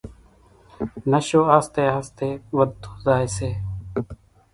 نشو آستي آستي وڌتو زائي سي،